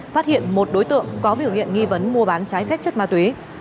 phát hiện một đối tượng có biểu hiện nghi vấn mua bán trái phép chất ma túy